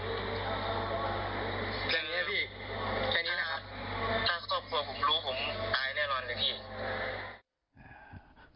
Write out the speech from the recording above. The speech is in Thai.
ถ้าชอบกลัวผมรู้ผมตายแน่นอนเลยพี่